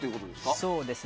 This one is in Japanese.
そうですね。